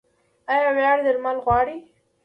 ایا وړیا درمل غواړئ؟